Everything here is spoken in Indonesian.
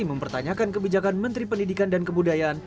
mempertanyakan kebijakan menteri pendidikan dan kebudayaan